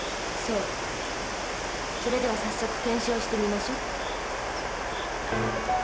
それでは早速検証してみましょう。